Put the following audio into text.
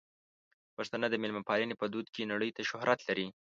پښتانه د مېلمه پالنې په دود کې نړۍ ته شهرت لري.